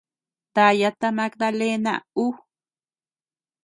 Daya ta Magdalena ú.